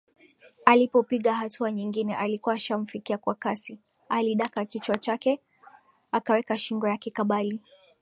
Alipopiga hatua nyingine alikuwa ashamfikia kwa kasi alidaka kichwa chake akaweka shingo yake kabali